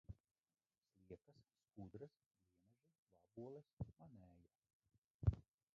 Sliekas, skudras, gliemeži, vaboles - manējie.